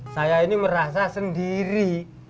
saya ini merasa sendiri